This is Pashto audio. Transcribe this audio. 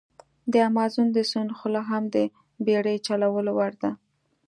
د امازون د سیند خوله هم د بېړی چلولو وړ ده.